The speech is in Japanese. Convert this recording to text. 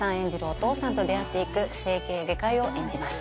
お父さんと出会っていく整形外科医を演じます